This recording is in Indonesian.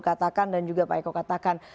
katakan dan juga pak eko katakan